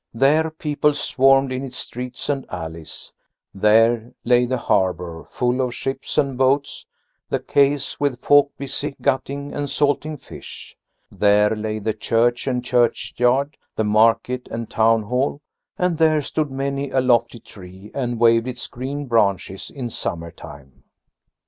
There people swarmed in its streets and alleys; there lay the harbour, full of ships and boats, the quays, with folk busy gutting and salting fish; there lay the church and churchyard, the market and town hall, and there stood many a lofty tree and waved its green branches in summer time.